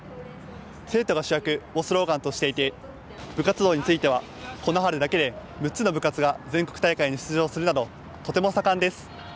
「生徒が主役」をスローガンとしていて部活動についてはこの春だけで６つの部活が全国大会に出場するなどとても盛んです。